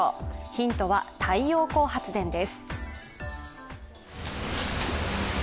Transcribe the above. ヒントは太陽光発電です。